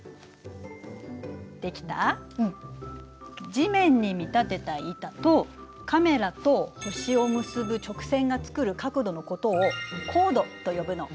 地面に見立てた板とカメラと星を結ぶ直線が作る角度のことを「高度」と呼ぶの。